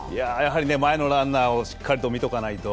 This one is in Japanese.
前のランナーをしっかりと見ておかないと。